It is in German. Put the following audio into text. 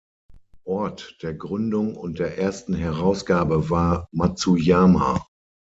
Ort der Gründung und der ersten Herausgabe war Matsuyama.